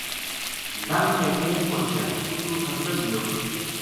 لنگھ کے کیل پوہچیا اُتو خرچو لیو